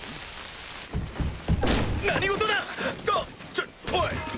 ちょおい！